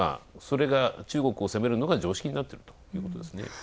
それが中国を攻めるのが常識になっているということなんですね。